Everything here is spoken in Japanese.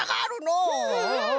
うんうん。